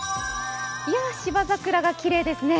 芝桜がきれいですね。